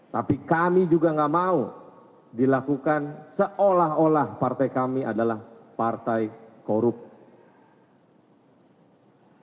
tapi kami juga nggak mau dilakukan seolah olah partai kami adalah partai koruptor